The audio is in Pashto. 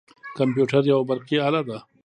کمپیوتر یوه برقي اله ده.